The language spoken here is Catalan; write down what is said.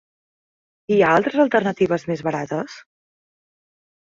Hi ha altres alternatives més barates?